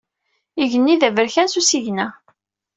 Igenni d aberkan s usigna.